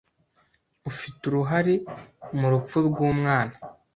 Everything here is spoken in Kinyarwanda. Ufite uruhare mu rupfu rwumwana.